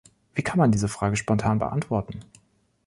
Wie kann man diese Frage spontan beantworten?